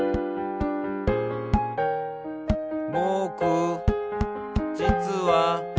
「ぼくじつは」